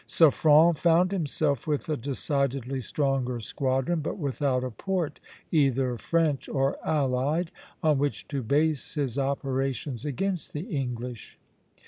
Suffren found himself with a decidedly stronger squadron, but without a port, either French or allied, on which to base his operations against the English.